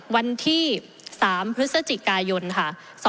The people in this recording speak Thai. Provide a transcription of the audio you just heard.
วันที่๓พฤศจิกายนค่ะ